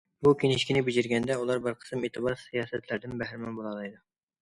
بۇ كىنىشكىنى بېجىرگەندە ئۇلار بىر قىسىم ئېتىبار سىياسەتلەردىن بەھرىمەن بولالايدۇ.